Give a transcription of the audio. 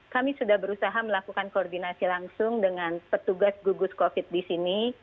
kami sudah berusaha melakukan koordinasi langsung dengan petugas gugus covid di sini